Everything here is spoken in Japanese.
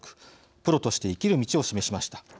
プロとして生きる道を示しました。